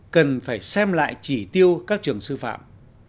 cần phải xem lại chỉ tiêu các trường sư phạm